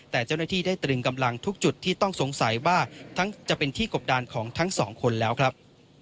แต่เจ้าหน้าที่ได้ตรึงกำลังทุกจุดที่ต้องสงสัยว่าจะเป็นที่กบดานของทั้งสองคนแล้วครับ